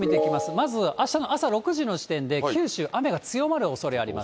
まずあしたの朝６時の時点で九州、雨が強まるおそれあります。